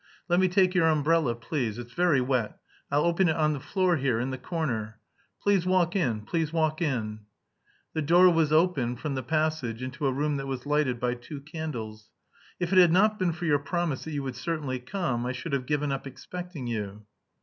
"Let me take your umbrella, please. It's very wet; I'll open it on the floor here, in the corner. Please walk in. Please walk in." The door was open from the passage into a room that was lighted by two candles. "If it had not been for your promise that you would certainly come, I should have given up expecting you."